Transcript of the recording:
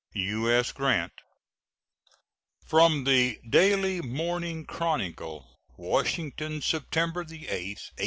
U.S. GRANT. [From the Daily Morning Chronicle, Washington, September 8, 1869.